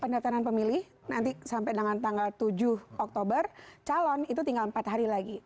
pendaftaran pemilih nanti sampai dengan tanggal tujuh oktober calon itu tinggal empat hari lagi